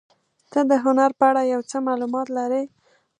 ته د هنر په اړه یو څه معلومات لرې؟